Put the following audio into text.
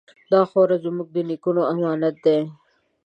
دا خاوره زموږ د نیکونو امانت دی.